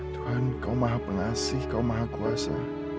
tuhan kau maha penasih kau maha kuasa